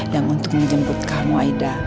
yang untuk menjemput kamu aida